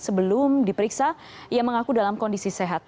sebelum diperiksa ia mengaku dalam kondisi sehat